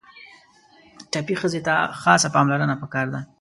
ټپي ښځې ته خاصه پاملرنه پکار ده.